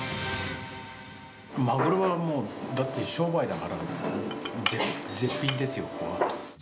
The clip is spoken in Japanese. マグロはもう、だって商売だから、絶品ですよ、ここは。